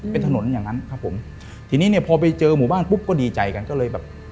เป็นถนนอย่างนั้นครับผมทีนี้เนี่ยพอไปเจอหมู่บ้านปุ๊บก็ดีใจกันก็เลยแบบ